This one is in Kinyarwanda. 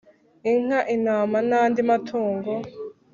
inka intama nandi matungo